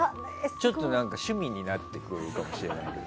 ちょっと、趣味になってくるかもしれない。